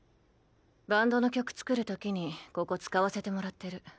バンドの曲作るときにここ使わせてもらってる。